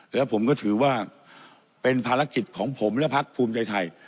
แล้วผมก็ถือว่าเป็นภารกิจของผมและพักภูมิใจไทย